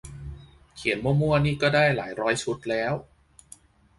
เขียนมั่วมั่วนี่ก็ได้หลายร้อยชุดแล้ว